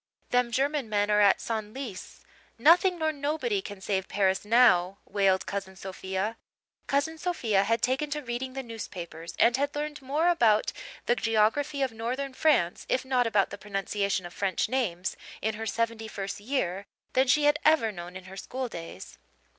"Them German men are at Senlis. Nothing nor nobody can save Paris now," wailed Cousin Sophia. Cousin Sophia had taken to reading the newspapers and had learned more about the geography of northern France, if not about the pronunciation of French names, in her seventy first year than she had ever known in her schooldays.